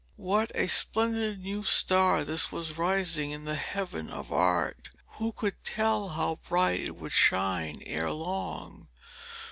What a splendid new star this was rising in the heaven of Art! Who could tell how bright it would shine ere long?